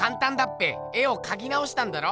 絵をかきなおしたんだろ？